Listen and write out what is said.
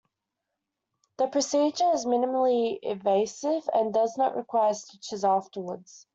The procedure is minimally invasive and does not require stitches afterwards.